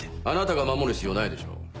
あなたが守る必要ないでしょう。